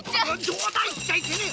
冗談言っちゃいけねえ！